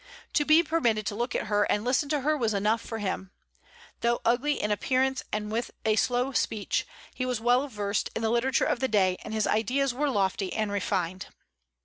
To be permitted to look at her and listen to her was enough for him. Though ugly in appearance, and with a slow speech, he was well versed in the literature of the day, and his ideas were lofty and refined.